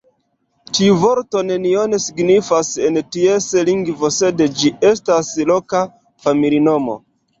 Tiu vorto nenion signifas en ties lingvo, sed ĝi estas loka familinomo.